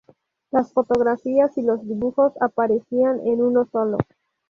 Las fotografías y los dibujos aparecían en uno solo.